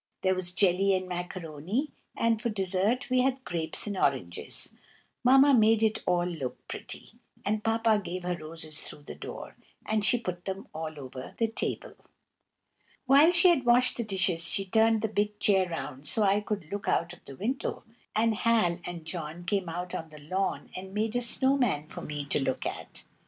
There was jelly and macaroni, and for desert we had grapes and oranges. Mamma made it all look pretty, and Papa gave her roses through the door, and she put them all over the table. When she had washed the dishes, she turned the big chair round so that I could look out of the window, and Hal and John came out on the lawn and made a snow man for me to look at.